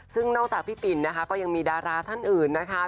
ซึ่งนอกจากพี่ปิ่นนะคะก็ยังมีดาราท่านอื่นนะคะ